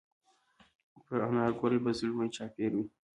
پر انارګل به زلمي چاپېروي